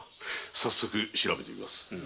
早速調べてみます。